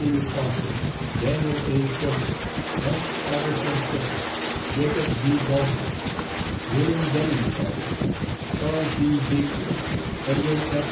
W. Foster, Daniel A. Frederick, F. Halverson French, Jacob G. Galbraith, William W. Galbraith, Charles B. Gatewood, Edwin F.